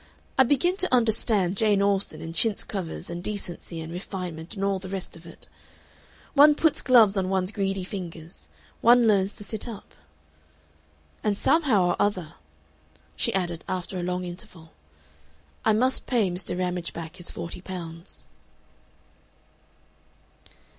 I begin to understand Jane Austen and chintz covers and decency and refinement and all the rest of it. One puts gloves on one's greedy fingers. One learns to sit up... "And somehow or other," she added, after a long interval, "I must pay Mr. Ramage back his forty pounds."